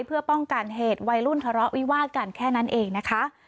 เพื่อป้องกันเหตุวัยรุ่นทะเลาะวิวาดกันแค่นั้นเองนะคะ